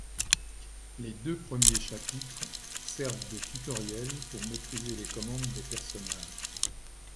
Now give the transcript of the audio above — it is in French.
Les deux premiers chapitres servent de tutoriel pour maîtriser les commandes des personnages.